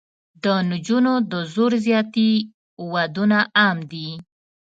د نجونو د زور زیاتي ودونه عام دي.